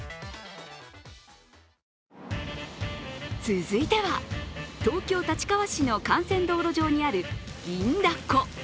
続いては、東京・立川市の幹線道路上にある銀だこ。